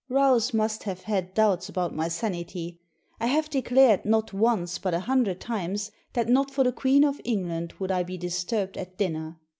Rouse must have had doubts about my sanity. I have declared, not once, but a hundred times, that not for the Queen of England would I be disturbed at dinner.